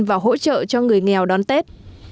và hỗ trợ cho người nghèo đón tết